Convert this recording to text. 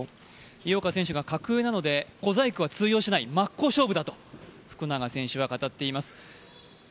井岡選手が格上なので小細工は通用しない、真っ向勝負だと福永選手は語っています。